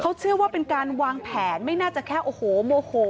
เขาเชื่อว่าเป็นการวางแผนไม่น่าจะแค่โอ้โหโมโห